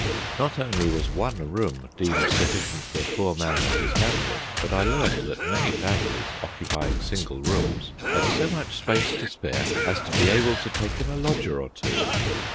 Not only was one room deemed sufficient for a poor man and his family, but I learned that many families, occupying single rooms, had so much space to spare as to be able to take in a lodger or two.